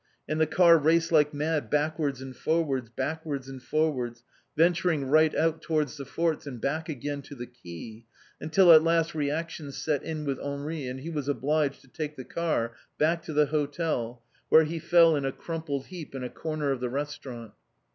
And the car raced like mad backwards and forwards, backwards and forwards, venturing right out towards the forts and back again to the quay, until at last reaction set in with Henri and he was obliged to take the car back to the hotel, where he fell in a crumpled heap in a corner of the restaurant.